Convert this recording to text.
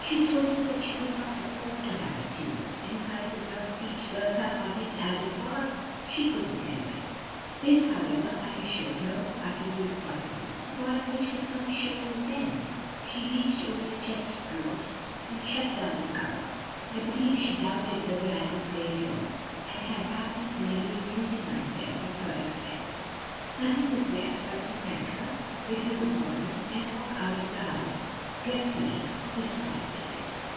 She told me she could not afford to have it tuned; and if I could not teach Bertha on it as it was, she couldn't help it. This, however, I assured her, was utterly impossible; upon which, with some show of offence, she reached over a chest of drawers, and shut down the cover. I believe she doubted whether I could play at all, and had not been merely amusing myself at her expense. Nothing was left but to thank her, bid her good morning, and walk out of the house, dreadfully disappointed.